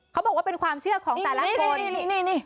เขาบอกว่าเป็นความเชื่อของแต่ละคนนี่